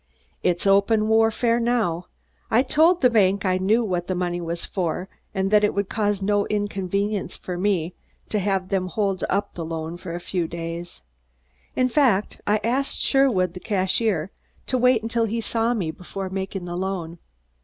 "It's open warfare now. I told the bank I knew what the money was for and that it would cause no inconvenience to me to have them hold up the loan for a few days. In fact I asked Sherwood, the cashier, to wait until he saw me before making the loan."